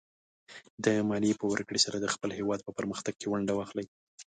د مالیې په ورکړې سره د خپل هېواد په پرمختګ کې ونډه واخلئ.